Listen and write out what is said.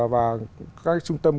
và các trung tâm